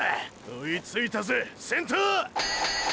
追いついたぜ先頭！！